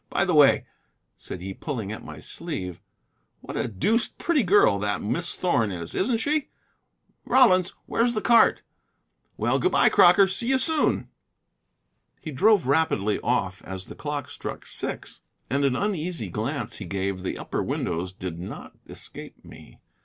By the way," said he pulling at my sleeve, "what a deuced pretty girl that Miss Thorn is! Isn't she? Rollins, where's the cart? Well, good bye, Crocker; see you soon." He drove rapidly off as the clock struck six, and an uneasy glance he gave the upper windows did not escape me.